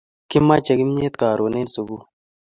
Kimache kimyet karun en sukul